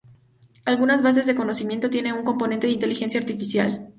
Algunas Bases de Conocimiento tienen un componente de inteligencia artificial.